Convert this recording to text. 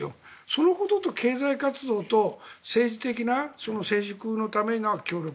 そのことと経済活動と政治的な成熟のための協力